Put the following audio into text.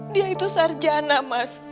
dia itu sarjana mas